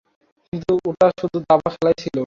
কিন্তু ওটা শুধু দাবা খেলাই ছিল।